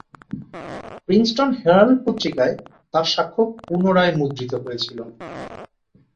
Princeton Herald পত্রিকায় তার সাক্ষ্য পুনরায় মুদ্রিত হয়েছিল।